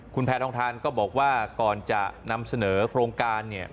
คุณแพทองทานก็บอกว่าก่อนจะนำเสนอโครงการเนี่ย